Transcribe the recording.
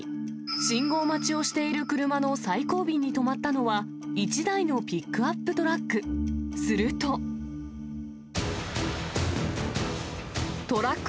信号待ちをしている車の最後尾に止まったのは、一台のピックアップトラック。